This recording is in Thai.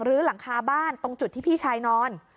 ลื้อหลังคาบ้านตรงจุดที่พี่ชายนอน